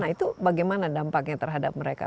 nah itu bagaimana dampaknya terhadap mereka